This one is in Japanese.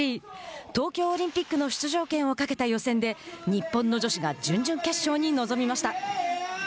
東京オリンピックの出場権をかけた予選で日本の女子が準々決勝に臨みました。